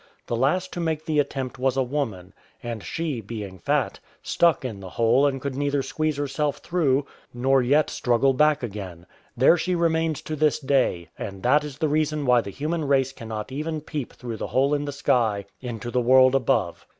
The last to make the attempt was a woman, and she, being fat, stuck in the hole and could neither squeeze herself through nor yet struggle back 237 OPPOSITION OF SORCERERS again. There she remains to this day; and that is the reason why the human race cannot even peep through the hole in the sky into the world above.